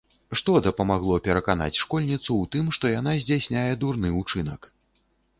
Што дапамагло пераканаць школьніцу ў тым, што яна здзяйсняе дурны ўчынак?